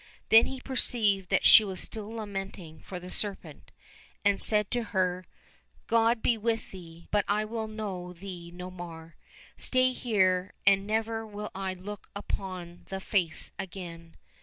Then he perceived that she was still lamenting for the serpent, and said to her, " God be with thee, but I will know thee no more. Stay here, and never will I look upon thy face again